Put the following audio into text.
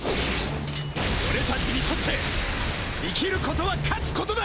俺たちにとって生きることは勝つことだ！